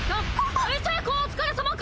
お疲れさま会！